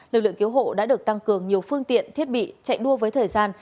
lực lượng cứu hộ đã được tăng cường nhiều phương tiện thiết bị chạy đua với thời gian